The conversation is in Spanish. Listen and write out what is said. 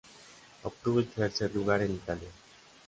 Obtuvo el tercer lugar en Italia.